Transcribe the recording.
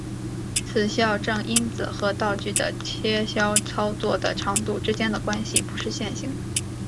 此校正因子和刀具的切削操作的长度之间的关系不是线性的。